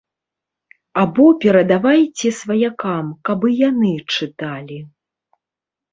Або перадавайце сваякам, каб і яны чыталі.